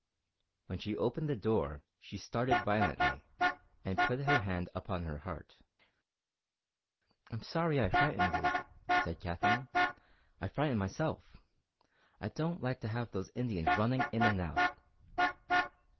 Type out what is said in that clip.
When she opened the door, she started violently, and put her hand upon her heart. "I'm sorry I frightened you," said Katherine. "I'm frightened myself. I don't like to have those Indians running in and out.